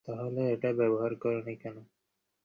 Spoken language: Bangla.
তিনি বেশ নাকানি-চুবানি খেতেন।